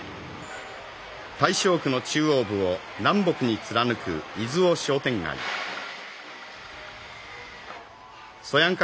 大正区の中央部を南北に貫く泉尾商店街そやんか